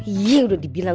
iya udah dibilang